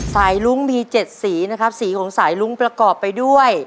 ลุ้งมี๗สีนะครับสีของสายลุ้งประกอบไปด้วย